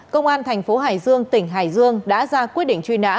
công an thành phố hải dương tỉnh hải dương đã ra quyết định truy nã